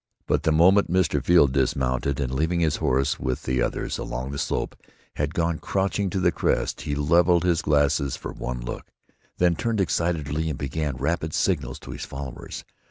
But the moment Mr. Field dismounted and, leaving his horse with the others along the slope, had gone crouching to the crest, he levelled his glasses for one look, then turned excitedly and began rapid signals to his followers.